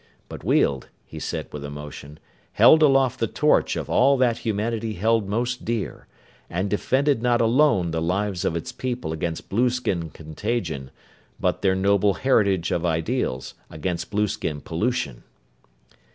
But Weald, he said with emotion, held aloft the torch of all that humanity held most dear, and defended not alone the lives of its people against blueskin contagion, but their noble heritage of ideals against blueskin pollution.